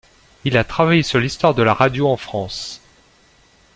Il a travaillé sur l’histoire de la radio en France.